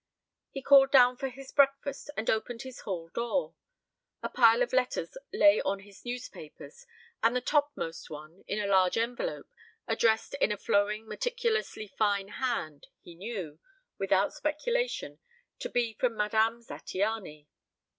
He called down for his breakfast and opened his hall door. A pile of letters lay on his newspapers, and the topmost one, in a large envelope, addressed in a flowing meticulously fine hand, he knew, without speculation, to be from Madame Zattiany.